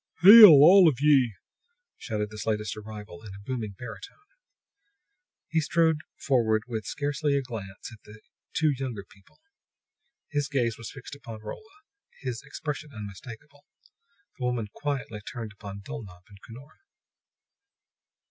"Hail, all of ye!" shouted this latest arrival in a booming baritone. He strode forward with scarcely a glance at the two younger people; his gaze was fixed upon Rolla, his expression unmistakable. The woman quietly turned upon Dulnop and Cunora.